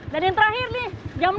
dan yang terakhir nih jam enam